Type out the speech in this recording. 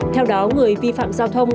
theo đó người vi phạm giao thông